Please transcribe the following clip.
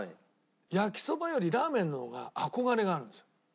焼きそばよりラーメンの方が憧れがあるんですよ。